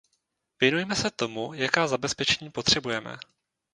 Věnujme se tomu, jaká zabezpečení potřebujeme.